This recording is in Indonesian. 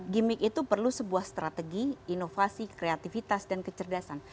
gimmick itu perlu sebuah strategi inovasi kreativitas dan kecerdasan